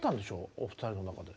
お二人の中で。